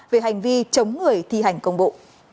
về hành vi chống người thi hành công bộ